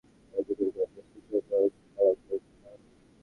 প্রত্যাশা করছি, অবিলম্বে রায় কার্যকর করে দেশকে চূড়ান্তভাবে কলঙ্কমুক্ত করা হবে।